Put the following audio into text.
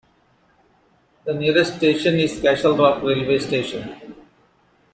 The nearest station is Castlerock railway station.